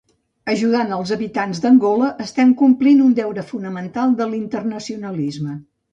Ajudant als habitants d'Angola estem complint un deure fonamental de l'internacionalisme.